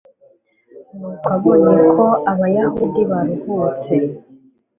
nuko abonye ko abayahudi baruhutse